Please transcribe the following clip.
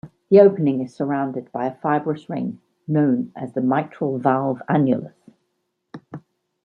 The opening is surrounded by a fibrous ring known as the "mitral valve annulus".